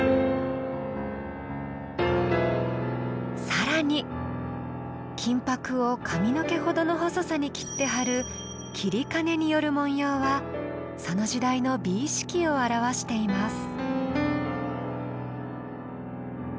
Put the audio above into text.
更に金箔を髪の毛ほどの細さに切って貼る截金による文様はその時代の美意識を表しています。